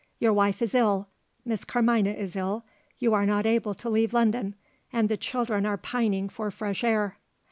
Your wife is ill; Miss Carmina is ill; you are not able to leave London and the children are pining for fresh air."